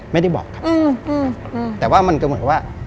ไม่ได้บอกครับแต่ว่ามันก็เหมือนว่า